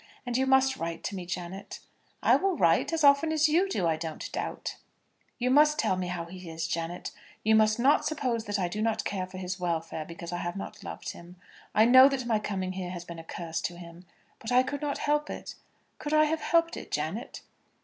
And you must write to me, Janet." "I will write, as often as you do, I don't doubt." "You must tell me how he is, Janet. You must not suppose that I do not care for his welfare because I have not loved him. I know that my coming here has been a curse to him. But I could not help it. Could I have helped it, Janet?"